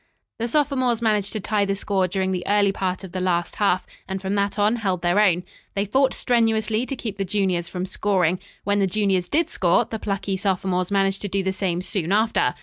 The sophomores managed to tie the score during the early part of the last half, and from that on held their own. They fought strenuously to keep the juniors from scoring. When the juniors did score, the plucky sophomores managed to do the same soon after.